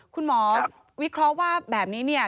คุณหมอวิเคราะห์ว่าแบบนี้เนี่ย